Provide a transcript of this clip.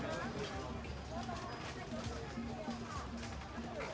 สวัสดีครับทุกคน